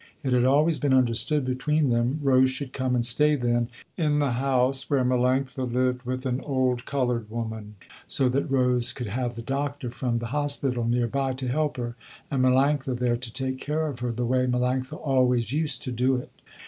It had always been understood between them, Rose should come and stay then in the house where Melanctha lived with an old colored woman, so that Rose could have the Doctor from the hospital near by to help her, and Melanctha there to take care of her the way Melanctha always used to do it.